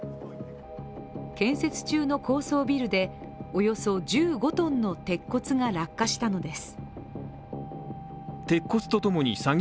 建設中の高層ビルでおよそ１５ｔの鉄骨が落下したのです。